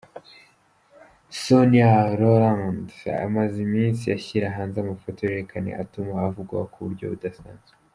Sonia Rolland amaze iminsi ashyira hanze amafoto y’uruhererekane atuma avugwaho mu buryo budasanzwe.